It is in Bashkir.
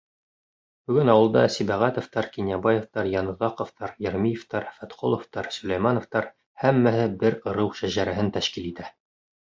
Бөгөн ауылда Сибәғәтовтар, Кинйәбаевтар, Йәноҙаҡовтар, Йәрмиевтәр, Фәтҡоловтар, Сөләймәновтар — һәммәһе бер ырыу шәжәрәһен тәшкил итә.